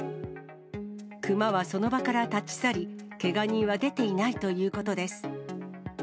熊はその場から立ち去り、けが人は出ていないということです。